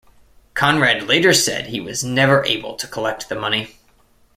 Conrad later said he was never able to collect the money.